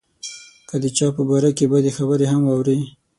که د چا په باره کې بدې خبرې هم واوري.